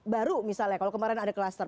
baru misalnya kalau kemarin ada kluster